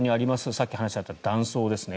さっき話にあった断層ですね。